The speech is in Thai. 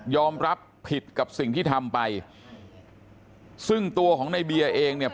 รับผิดกับสิ่งที่ทำไปซึ่งตัวของในเบียร์เองเนี่ย